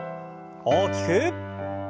大きく。